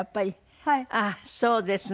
ああそうですね。